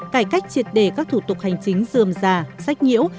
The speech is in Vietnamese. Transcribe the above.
cải cách triệt đề các thủ tục hành chính dườm già sách nhiễu